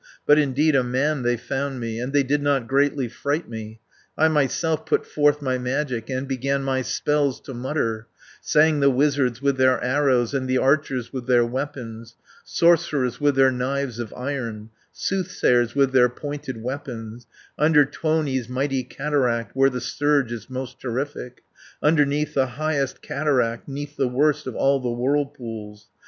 But indeed a man they found me, And they did not greatly fright me, I myself put forth my magic, And began my spells to mutter, Sang the wizards with their arrows, And the archers with their weapons, 170 Sorcerers with their knives of iron, Soothsayers with their pointed weapons, Under Tuoni's mighty Cataract, Where the surge is most terrific, Underneath the highest cataract, 'Neath the worst of all the whirlpools.